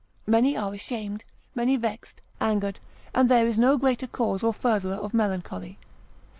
many are ashamed, many vexed, angered, and there is no greater cause or furtherer of melancholy.